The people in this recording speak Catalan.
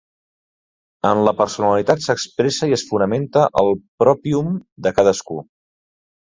En la personalitat s'expressa i es fonamenta el 'proprium' de cadascú.